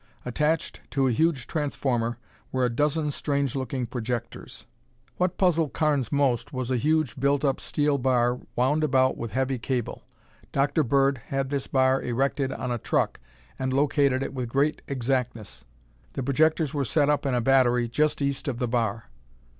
Attached to a huge transformer were a dozen strange looking projectors. What puzzled Carnes most was a huge built up steel bar wound about with heavy cable. Dr. Bird had this bar erected on a truck and located it with great exactness. The projectors were set up in a battery just east of the bar.